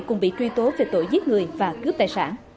cùng bị truy tố về tội giết người và cướp tài sản